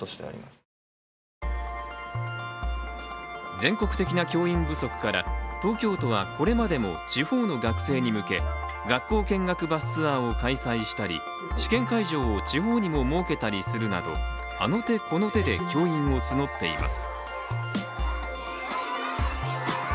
全国的な教員不足で、東京都はこれまでも地方の学生に向け、学校見学バスツアーを開催したり試験会場を地方にも設けたりするなどあの手この手で教員を募っています。